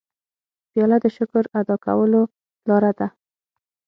پیاله د شکر ادا کولو لاره ده.